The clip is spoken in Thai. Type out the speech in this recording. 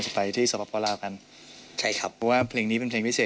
วันนี้ให้ดูแค่บรรยากาศการซ้อมก่อนนะจ๊ะ